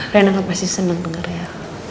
rena pasti seneng denger ya